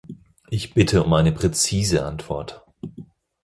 Ich bitte um eine präzise Antwort.